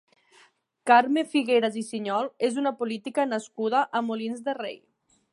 Carme Figueras i Siñol és una política nascuda a Molins de Rei.